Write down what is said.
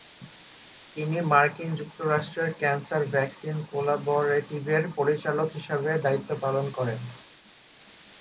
তিনি মার্কিন যুক্তরাষ্ট্রের ক্যান্সার ভ্যাকসিন কোলাবরেটিভের পরিচালক হিসেবে দায়িত্ব পালন করেন।